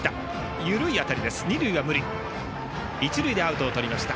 一塁でアウトをとりました。